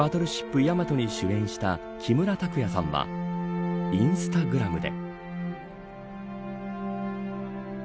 ヤマトに主演した木村拓哉さんはインスタグラムで。